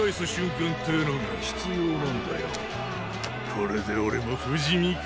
これで俺も不死身か？